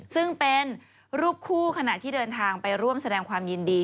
ซึ่งเป็นรูปคู่ขณะที่เดินทางไปร่วมแสดงความยินดี